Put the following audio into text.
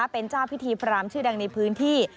เป็นเจ้าพิธีพรามชื่อดังในพื้นที่